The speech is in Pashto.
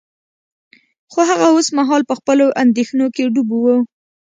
خو هغه اوس مهال په خپلو اندیښنو کې ډوب و